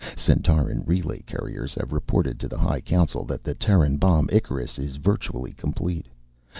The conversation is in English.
Centauran relay couriers have reported to the High Council that the Terran bomb Icarus is virtually complete.